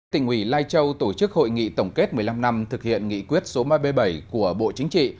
tỉnh ủy lai châu tổ chức hội nghị tổng kết một mươi năm năm thực hiện nghị quyết số ba mươi bảy của bộ chính trị